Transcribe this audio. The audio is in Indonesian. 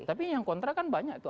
tapi yang kontra kan banyak tuh